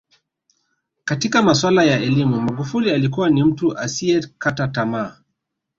Katika masuala ya elimu Magufuli alikuwa ni mtu asiyekata tamaa